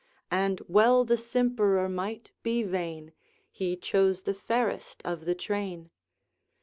And well the simperer might be vain, He chose the fairest of the train.